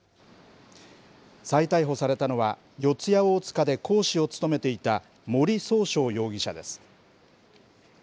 再逮捕されたのは、四谷大塚で講師を務めていた森崇翔容疑者です。